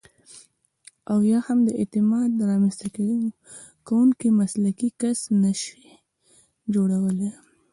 او یا هم د اعتماد رامنځته کوونکی مسلکي کس نشئ جوړولای.